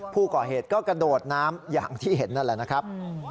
ผู้ก่อเหตุก็กระโดดน้ำอย่างที่เห็นนั่นแหละนะครับ